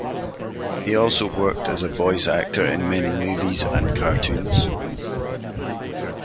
He also worked as voice actor in many movies and cartoons.